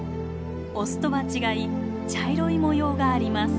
オスとは違い茶色い模様があります。